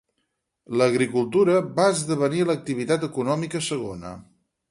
L'agricultura va esdevenir l'activitat econòmica segona.